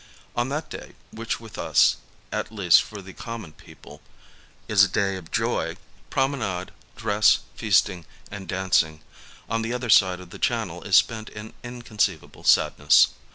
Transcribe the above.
On that day, which with us, at least for the common people, is a day of joy, promenade, dress, feastirig and dancing, on the other side of the Channel is spent in inconceivable sadness.